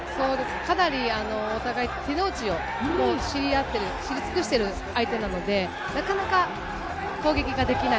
かなりお互い手の内をもう知り合ってる、知り尽くしている相手なので、なかなか攻撃ができない。